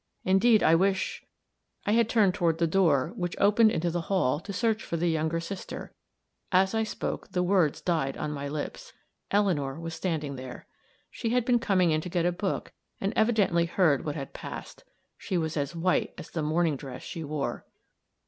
Indeed, I wish " I had turned toward the door, which opened into the hall, to search for the younger sister, as I spoke; the words died on my lips. Eleanor was standing there. She had been coming in to get a book, and had evidently heard what had passed. She was as white as the morning dress she wore.